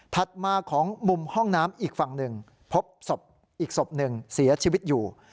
มาของมุมห้องน้ำอีกฝั่งหนึ่งพบศพอีกศพหนึ่งเสียชีวิตอยู่